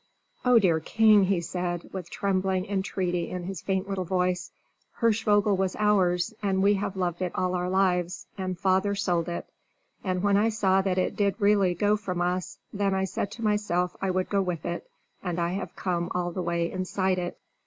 "Oh, dear king!" he said, with trembling entreaty in his faint little voice, "Hirschvogel was ours, and we have loved it all our lives; and father sold it. And when I saw that it did really go from us, then I said to myself I would go with it; and I have come all the way inside it.